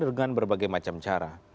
dengan berbagai macam cara